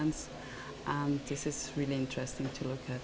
ini sangat menarik untuk dilihat